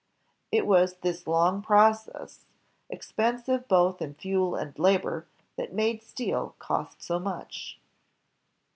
It was this long process, expensive both in fuel and labor, that made steel cost so much.